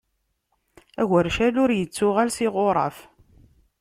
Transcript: Agercal ur ittuɣal s iɣuṛaf.